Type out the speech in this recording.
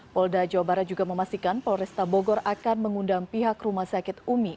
polda jawa barat juga memastikan polresta bogor akan mengundang pihak rumah sakit umi